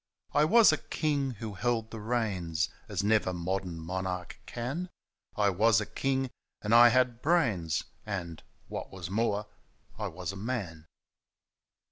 I was a king who held the reins As never modem monarchs can ; I was a king, and I had brains, Andy what was more, I was a man